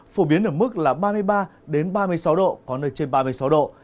phổ biến ở mức là ba mươi ba ba mươi sáu độ có nơi trên ba mươi sáu độ